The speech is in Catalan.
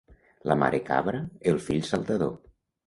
La mare cabra, el fill saltador.